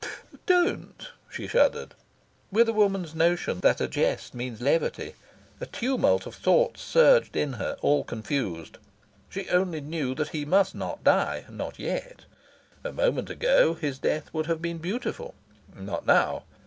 "Don't!" she shuddered, with a woman's notion that a jest means levity. A tumult of thoughts surged in her, all confused. She only knew that he must not die not yet! A moment ago, his death would have been beautiful. Not now!